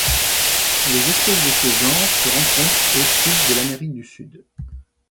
Les espèces de ce genre se rencontrent au sud de l'Amérique du Sud.